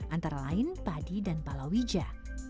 antara lain padi dan palawija